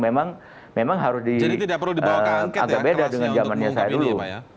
memang memang harus di agak beda dengan zamannya saya dulu